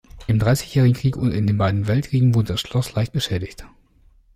Im Dreißigjährigen Krieg und in den beiden Weltkriegen wurde das Schloss leicht beschädigt.